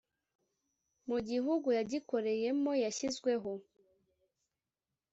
mu gihugu yagikoreyemo yashyizweho